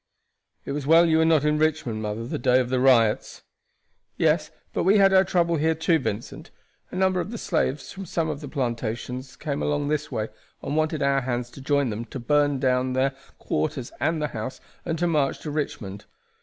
"It was well you were not in Richmond, mother, the day of the riots." "Yes; but we had our trouble here too, Vincent. A number of the slaves from some of the plantations came along this way, and wanted our hands to join them to burn down their quarters and the house, and to march to Richmond.